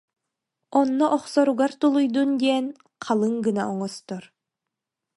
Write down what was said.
Онно охсоругар тулуйдун диэн халыҥ гына оҥостор